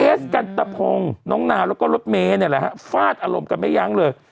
สกันตะพงน้องนาวแล้วก็รถเมย์เนี่ยแหละฮะฟาดอารมณ์กันไม่ยั้งเลย